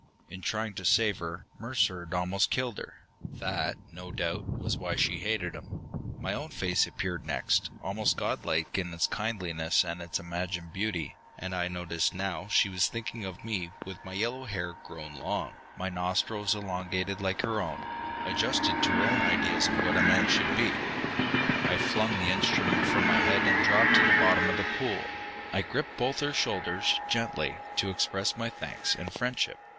In trying to save her, Mercer had almost killed her. That, no doubt, was why she hated him. My own face appeared next, almost godlike in its kindliness and its imagined beauty, and I noticed now that she was thinking of me with my yellow hair grown long, my nostrils elongated like her own adjusted to her own ideas of what a man should be. I flung the instrument from my head and dropped to the bottom of the pool. I gripped both her shoulders, gently, to express my thanks and friendship.